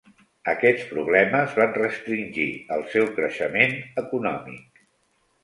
Aquests problemes van restringir el seu creixement econòmic.